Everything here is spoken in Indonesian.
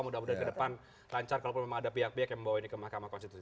mudah mudahan ke depan lancar kalaupun memang ada pihak pihak yang membawa ini ke mahkamah konstitusi